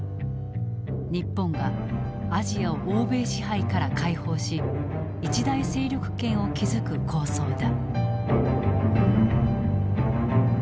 日本がアジアを欧米支配から解放し一大勢力圏を築く構想だ。